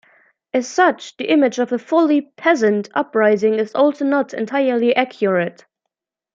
As such, the image of a fully "peasant" uprising is also not entirely accurate.